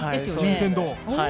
順天堂。